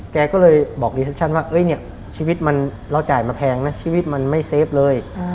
แกก็เลยบอกรีเซปชั่นว่าเนี่ยชีวิตมันเราจ่ายมาแพงนะชีวิตมันไม่เฟฟเลย